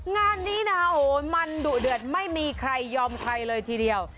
งานนี้นะโอ้โหมันดุเดือดไม่มีใครยอมใครเลยทีเดียว